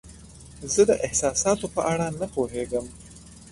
زه د احساساتو په اړه نه پوهیږم.